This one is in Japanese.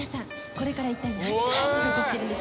これからいったい何が始まろうとしてるんでしょう？」